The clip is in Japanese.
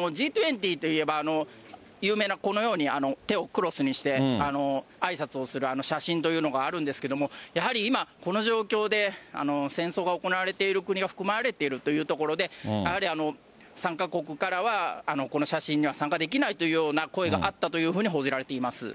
Ｇ２０といえば、有名な、このように手をクロスにしてあいさつをする、あの写真というのがあるんですけれども、やはり今、この状況で戦争が行われている国が含まれているというところで、やはり参加国からはこの写真には参加できないというような声があったというふうに報じられています。